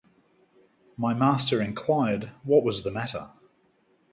My master inquired what was the matter.